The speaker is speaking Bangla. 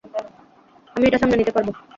আমি এটা সামলে নিতে পারবো।